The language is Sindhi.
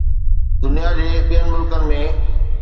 دنيا جي ٻين ملڪن ۾